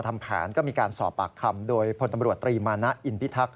ก็เห็นว่าเอาพัดลมไปให้พีท